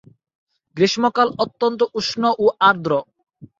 গ্রীষ্মকাল অত্যন্ত উষ্ণ ও আর্দ্র।